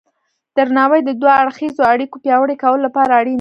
درناوی د دوه اړخیزو اړیکو پیاوړي کولو لپاره اړین دی.